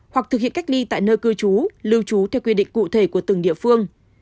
hoặc thực hiện cách ly tại nơi cư trú lưu trú theo quy định cụ thể của từng địa phương